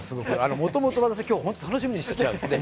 もともと今日会えるのを楽しみにしてきたんです。